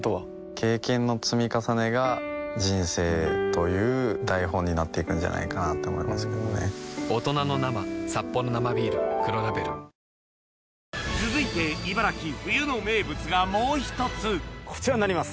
経験の積み重ねが人生という台本になっていくんじゃないかなと思いますけどね続いてこちらになります。